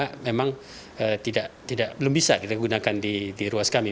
karena memang belum bisa kita gunakan di ruas kami